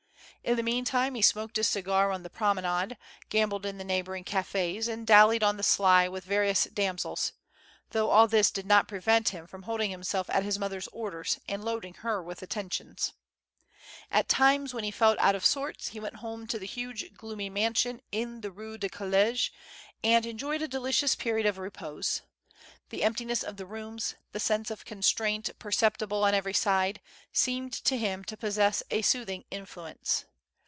In the meantime he smoked his cigar on the Promenade, gambled in the neighboring cafds, and dallied on the sly with various damsels, though all this did not prevent him from holding himself at his mother's orcters, and loading her with attentions. At times when he felt out of sorts he went home to the huge, gloomy mansion in the Rue du College, and enjoyed a delicious period of repose. The emptiness of the rooms, the sense of con straint perceptible on every side, seemed to him to possess a soothing influence.